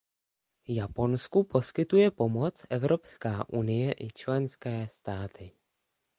Japonsku poskytuje pomoc Evropská unie i členské státy.